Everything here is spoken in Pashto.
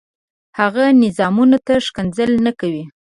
هغه نظامونو ته ښکنځل نه کوي.